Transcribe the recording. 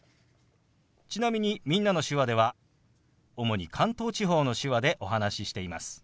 ちなみに「みんなの手話」では主に関東地方の手話でお話ししています。